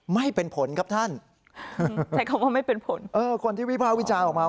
ไม่เป็นผลครับท่านใช้คำว่าไม่เป็นผลเออคนที่วิภาควิจารณ์ออกมา